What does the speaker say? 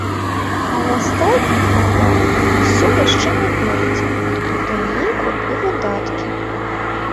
А ў астатніх, маўляў, усё яшчэ наперадзе, у тым ліку і выдаткі.